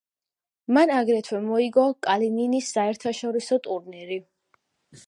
მან აგრეთვე მოიგო კალინინის საერთაშორისო ტურნირი.